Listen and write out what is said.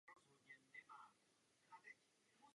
Tito lidé mají v tomto ohledu obrovské problémy už nyní.